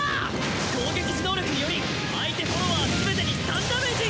攻撃時能力により相手フォロワーすべてに３ダメージ！